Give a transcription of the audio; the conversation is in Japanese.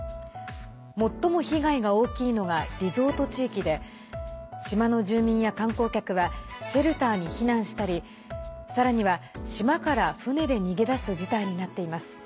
最も被害が大きいのがリゾート地域で島の住民や観光客はシェルターに避難したりさらには、島から船で逃げ出す事態になっています。